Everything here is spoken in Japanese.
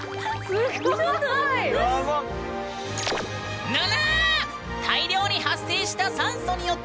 すごいぬ！